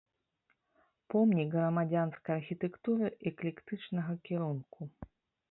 Помнік грамадзянскай архітэктуры эклектычнага кірунку.